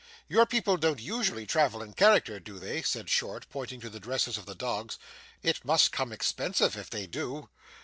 'Your people don't usually travel in character, do they?' said Short, pointing to the dresses of the dogs. 'It must come expensive if they do?